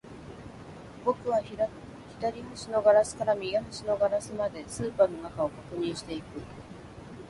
僕は左端のガラスから右端のガラスまで、スーパーの中を確認していく